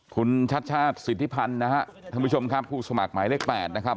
คุณชัชชาสิทธิพันธ์นะครับคุณผู้สมัครหมายเลข๘นะครับ